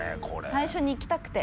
最初に行きたくて。